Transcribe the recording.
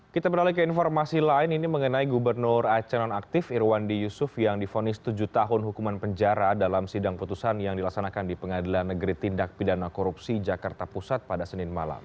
kita beralih ke informasi lain ini mengenai gubernur aceh nonaktif irwandi yusuf yang difonis tujuh tahun hukuman penjara dalam sidang putusan yang dilaksanakan di pengadilan negeri tindak pidana korupsi jakarta pusat pada senin malam